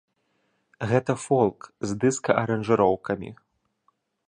Гэта фолк, з дыска-аранжыроўкамі.